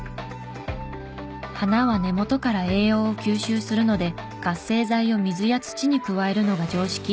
花は根元から栄養を吸収するので活性剤を水や土に加えるのが常識。